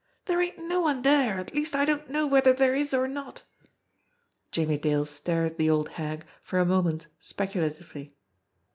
"Dere ain't no one dere at least I don't know whether dere is or not." Jimmie Dale stared at the old hag for a moment specula tively.